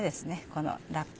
このラップ。